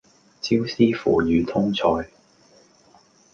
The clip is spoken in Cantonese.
椒絲腐乳通菜